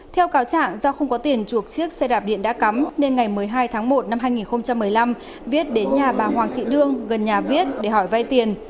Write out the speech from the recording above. theo cáo trạng do không có tiền chuộc chiếc xe đạp điện đã cắm nên ngày một mươi hai tháng một năm hai nghìn một mươi năm viết đến nhà bà hoàng thị đương gần nhà viết để hỏi vay tiền